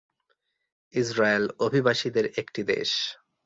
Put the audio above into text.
Israel অভিবাসীদের একটি দেশ।